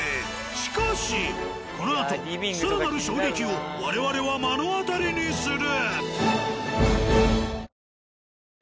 しかしこのあと更なる衝撃を我々は目の当たりにする！